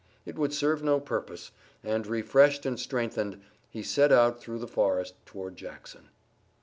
It would serve no purpose, and, refreshed and strengthened, he set out through the forest toward Jackson.